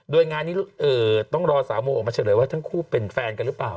โดยงานนี้ต้องรอสาวโมออกมาเฉลยว่าทั้งคู่เป็นแฟนกันหรือเปล่า